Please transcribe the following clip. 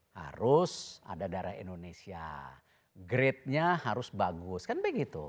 harus ada darah indonesia grade nya harus bagus kan begitu